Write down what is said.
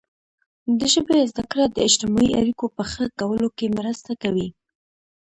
د ژبې زده کړه د اجتماعي اړیکو په ښه کولو کې مرسته کوي.